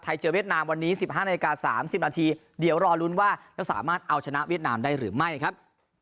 เจอเวียดนามวันนี้๑๕นาที๓๐นาทีเดี๋ยวรอลุ้นว่าจะสามารถเอาชนะเวียดนามได้หรือไม่ครับ